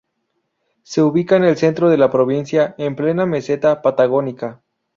Se ubica en el centro de la provincia en plena meseta patagónica.